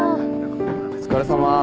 お疲れさま。